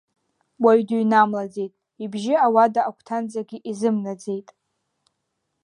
Уаҩ дыҩнамлаӡеит, ибжьы ауада агәҭанӡагьы изымнаӡеит.